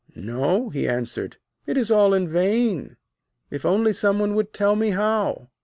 'No,' he answered; 'it's all in vain. If only some one would tell me how.'